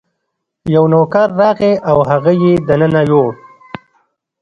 یو نوکر راغی او هغه یې دننه یووړ.